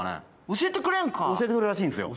教えてくれるらしいんですよ。